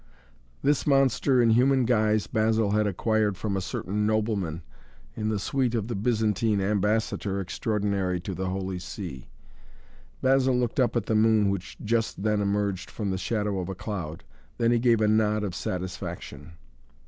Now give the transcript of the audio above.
This monster in human guise Basil had acquired from a certain nobleman in the suite of the Byzantine ambassador extraordinary to the Holy See. Basil looked up at the moon which just then emerged from the shadow of a cloud. Then he gave a nod of satisfaction.